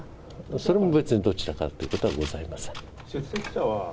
それも、別にどちらからということはございません。